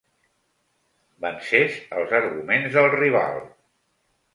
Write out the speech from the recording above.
Vencés els arguments del rival.